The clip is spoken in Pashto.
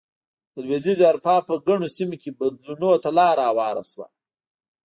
د لوېدیځې اروپا په ګڼو سیمو کې بدلونونو ته لار هواره شوه.